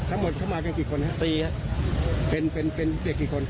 ก็หมดเข้ามากันกี่คนครับปีครับเป็นเด็กกี่คน